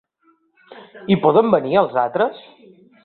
Hi poden venir els altres?